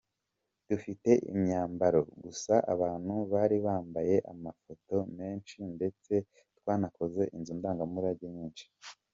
Dufite imyambaro gusa abantu bari bambaye, amafoto menshi ndetse twanakoze inzu ndangamurage nyinshi.